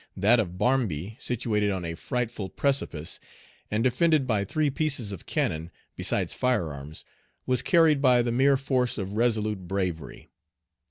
That of Barmby, situated on a frightful precipice, and defended by three pieces of cannon, besides firearms, was carried by the mere force of resolute bravery.